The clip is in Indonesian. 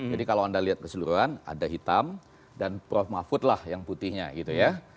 jadi kalau anda lihat keseluruhan ada hitam dan prof mahfud lah yang putihnya gitu ya